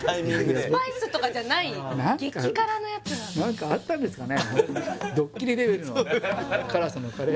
スパイスとかじゃない激辛のやつなんだ何かあったんですかね？